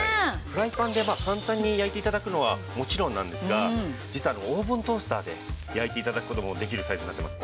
フライパンで簡単に焼いて頂くのはもちろんなんですが実はオーブントースターで焼いて頂く事もできるサイズになってます。